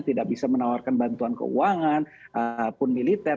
tidak bisa menawarkan bantuan keuangan pun militer